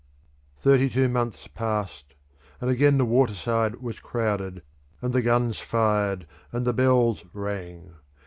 Thirty two months passed, and again the water side was crowded, and the guns fired, and the bells rang.